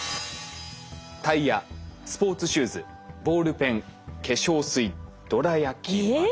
タイヤスポーツシューズボールペン化粧水どら焼きまで。